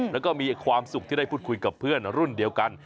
แล้วก็มีความสุขที่ได้พูดคุยกับเพื่อนรุ่นเดียวกัน